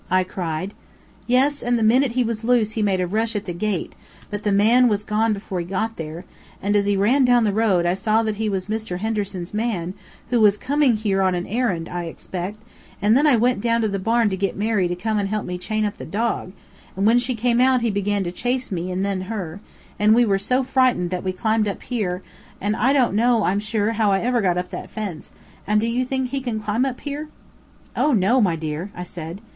I cried. "Yes, and the minute he was loose he made a rush at the gate, but the man was gone before he got there, and as he ran down the road I saw that he was Mr. Henderson's man, who was coming here on an errand, I expect, and then I went down to the barn to get Mary to come and help me chain up the dog, and when she came out he began to chase me and then her; and we were so frightened that we climbed up here, and I don't know, I'm sure, how I ever got up that fence; and do you think he can climb up here?" "Oh no! my dear," I said.